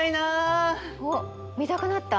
おっ見たくなった？